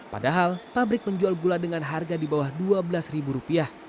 padahal pabrik menjual gula dengan harga di bawah dua belas